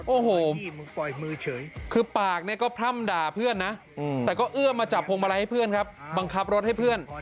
โอ้โหคือปากเนี่ยก็พร่ำด่าเพื่อนนะแต่ก็เอื้อมมาจับพวงมาลัยให้เพื่อนครับบังคับรถให้เพื่อน